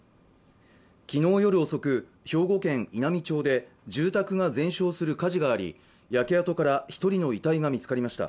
昨日夜遅く兵庫県稲美町で住宅が全焼する火事があり焼け跡から一人の遺体が見つかりました